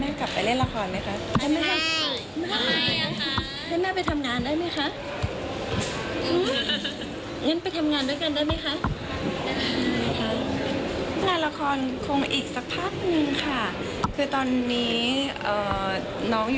แล้วคุณแม่ก็อาจจะมีเวลาไปทำงานได้มากขึ้น